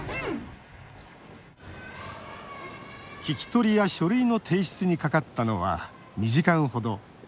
聞き取りや書類の提出にかかったのは２時間ほど。